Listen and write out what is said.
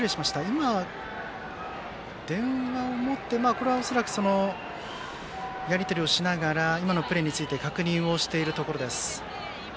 今、電話を持って恐らく、やり取りをしながら今のプレーについて確認をしているところです。